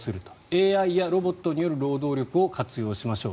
ＡＩやロボットによる労働力を活用しましょう